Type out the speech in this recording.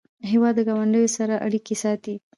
هېواد د ګاونډیو سره اړیکې ساتي.